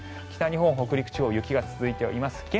北日本、北陸地方雪が続いています。